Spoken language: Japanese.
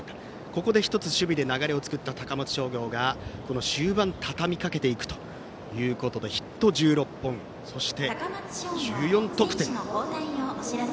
ここで１つ守備で流れを作った高松商業が終盤、たたみかけていくということでヒット１６本、１４得点。